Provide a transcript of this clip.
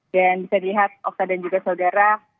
dan bisa dilihat okta dan juga saudara